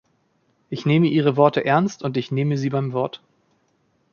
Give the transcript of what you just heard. Ich nehme Ihre Worte ernst und ich nehme Sie beim Wort.